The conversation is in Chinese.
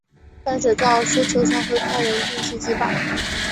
淡水高尔夫球场会派人定期祭拜。